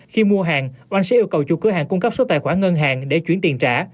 khi mua hàng oanh sẽ yêu cầu chủ cửa hàng cung cấp số tài khoản ngân hàng để chuyển tiền trả